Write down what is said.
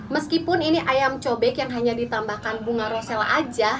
meskipun ini ayam cobek yang hanya ditambahkan bunga rosel aja